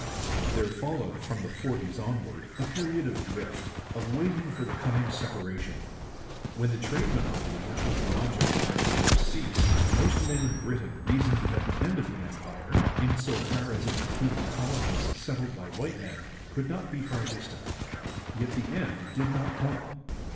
There followed, from the forties onward, a period of drift, of waiting for the coming separation. When the trade monopoly which was the object of empire ceased, most men in Britain reasoned that the end of the Empire, in so far as it included colonies settled by white men, could not be far distant. Yet the end did not come.